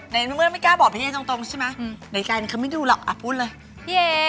ในเมื่อไม่กล้าบอกพี่กาวตรงใช่ไหมในการเขาไม่ดูหรอกอ่ะพูดเลย